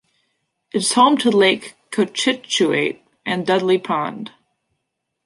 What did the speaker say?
It is home to Lake Cochituate and Dudley Pond.